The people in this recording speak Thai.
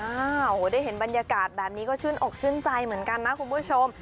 โอ้โหได้เห็นบรรยากาศแบบนี้ก็ชื่นอกชื่นใจเหมือนกันนะคุณผู้ชม